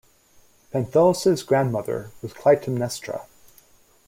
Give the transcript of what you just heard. Penthilus' grandmother was Clytemnestra.